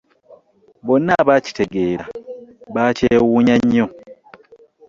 Bonna abaakitegeera baakyewuunya nnyo.